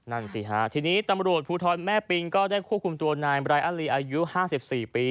นั่นสิฮะทีนี้ตำรวจภูทรแม่ปิงก็ได้ควบคุมตัวนายบรายอารีอายุ๕๔ปี